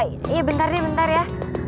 iya bentar dia bentar ya